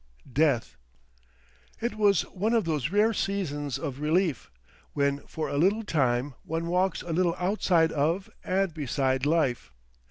Death! It was one of those rare seasons of relief, when for a little time one walks a little outside of and beside life.